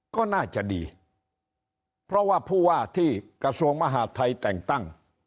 ก็น่าจะดีเพราะว่าผู้ว่าที่กระทรวงมหาดไทยแต่งตั้ง